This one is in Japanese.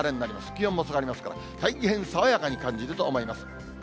気温も下がりますから、大変爽やかに感じると思います。